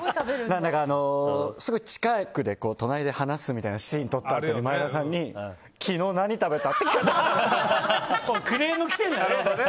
すごい近くで隣で話すみたいな撮影の時に前田さんに昨日、何食べた？って聞かれて。